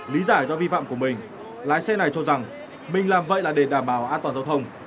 lý giải do vi phạm của mình lái xe này cho rằng mình làm vậy là để đảm bảo an toàn giao thông